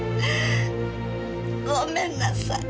ごめんなさい！